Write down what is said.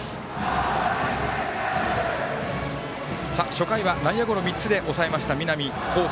初回は内野ゴロ３つで抑えました南恒誠。